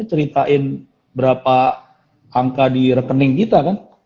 ceritain berapa angka di rekening kita kan